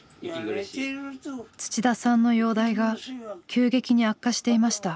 土田さんの容体が急激に悪化していました。